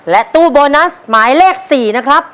ตู้โบนัสหมายเลข๔นะครับ